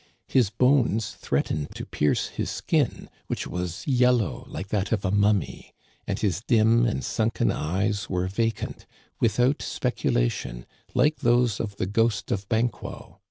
His bones threatened to pierce his skin, which was yel low like that of a mummy; and his dim and sunken eyes were vacant — without speculation, like those of the ghost of Banquo.